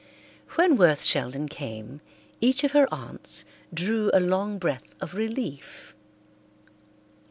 When Worth Sheldon came, each of her aunts drew a long breath of relief.